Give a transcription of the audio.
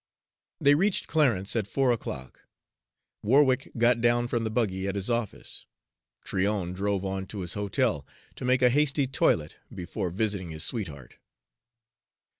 They reached Clarence at four o'clock. Warwick got down from the buggy at his office. Tryon drove on to his hotel, to make a hasty toilet before visiting his sweetheart.